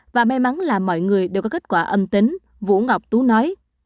và may mắn là mọi người đều có kết quả âm tính vũ ngọc tú nói